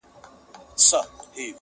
سیلۍ نامردي ورانوي آباد کورونه،